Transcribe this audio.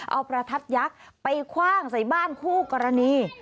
เอาประทัดยักษ์ไปคว่างใส่บ้านคู่กรณี